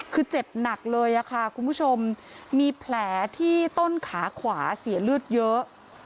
คือเจ็บหนักเลยค่ะคุณผู้ชมมีแผลที่ต้นขาขวาเสียเลือดเยอะ